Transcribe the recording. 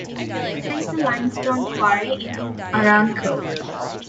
There is a limestone quarry in Arancou.